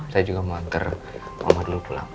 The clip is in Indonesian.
saya juga mau hantar mama dulu pulang